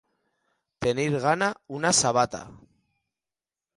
Tenir gana una sabata.